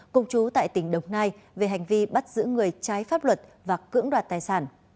cùng chú tại tỉnh đồng nai về hành vi bắt giữ người trái pháp luật và cưỡng đoạt tài sản